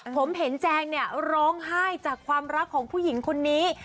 ผมเห็นแจงเนี่ยร้องไห้จากความรักของผู้หญิงคนนี้